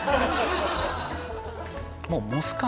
もうモス感